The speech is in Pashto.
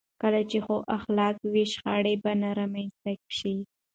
کله چې ښو اخلاق وي، شخړې به رامنځته نه شي.